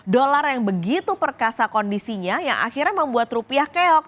dolar yang begitu perkasa kondisinya yang akhirnya membuat rupiah keok